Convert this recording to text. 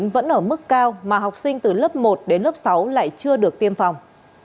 vẫn ở mức cao mà học sinh từ lớp một đến lớp sáu lại chưa được tiêm phòng